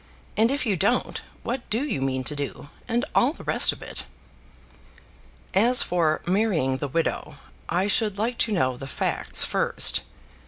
And if you don't, what do you mean to do; and all the rest of it?" "As for marrying the widow, I should like to know the facts first.